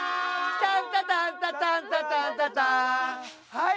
はい！